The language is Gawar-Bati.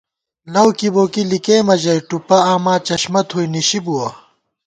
لؤ کِبوکی لِکېمہ ژَئی ، ٹُپہ آما چشمہ تھوئی نِشِی بُوَہ